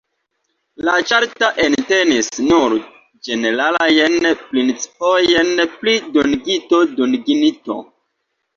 La ĉarto entenis nur ĝeneralajn principojn pri dungito-dunginto.